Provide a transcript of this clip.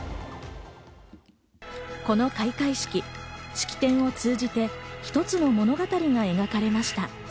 この開会式、式典を通じて一つの物語が描かれました。